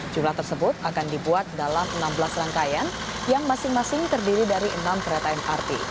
jumlah tersebut akan dibuat dalam enam belas rangkaian yang masing masing terdiri dari enam kereta mrt